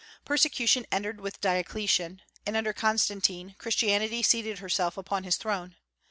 Persecution ended with Diocletian; and under Constantine Christianity seated herself upon his throne.